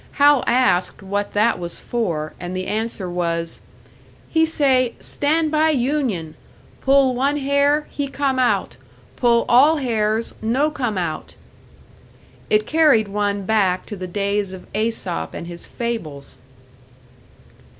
Hal asked what that was for; and the answer was, "He say, 'Stand by union! Pull one hair, he come out; pull all hairs, no come out'!" It carried one back to the days of Aesop and his fables!